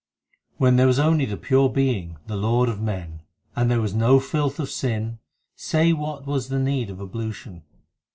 4 When there was only the pure Being, the Lord of men, And there was no filth of sin, say what was the need of ablution.